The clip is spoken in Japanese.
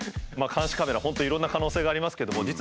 監視カメラ本当いろんな可能性がありますけども